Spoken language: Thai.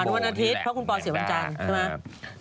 วันอาทิตย์เพราะคุณปอเสียวันจันทร์ใช่ไหม